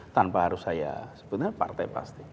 tanpa harus saya sebenarnya partai pasti